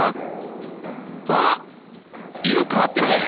あっ色変わってるね！